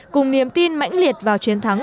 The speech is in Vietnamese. cùng niềm tin mạnh liệt vào chiến thắng